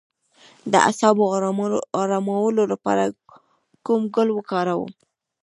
د اعصابو ارامولو لپاره کوم ګل وکاروم؟